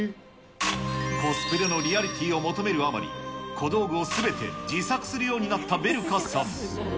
コスプレのリアリティを求めるあまり、小道具をすべて自作するようになったべるかさん。